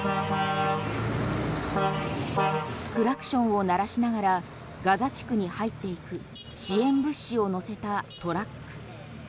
クラクションを鳴らしながらガザ地区に入っていく支援物資を載せたトラック。